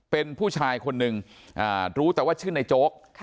เป็นผู้ชายคนนึงรู้แต่ว่าชื่อในโจ๊ก